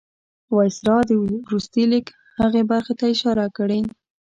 د وایسرا د وروستي لیک هغې برخې ته اشاره کړې.